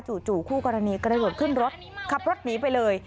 จู่คู่กรณีกระโดดขึ้นรถขับรถหนีไปเลย